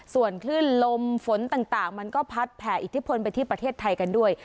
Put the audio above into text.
ส่วนคลื่นลมฝนต่างมันก็พัดแผ่อิทธิพลไปที่ประเทศไทยกันด้วย